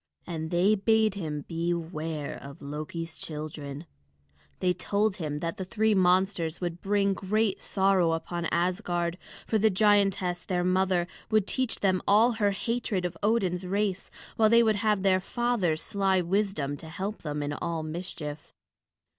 And they bade him beware of Loki's children; they told him that the three monsters would bring great sorrow upon Asgard, for the giantess their mother would teach them all her hatred of Odin's race, while they would have their father's sly wisdom to help them in all mischief.